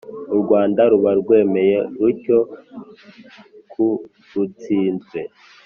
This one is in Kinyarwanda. u rwanda ruba rwemeye rutyo ku rutsinzwe,